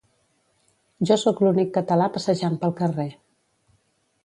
Jo sóc l'únic català passejant pel carrer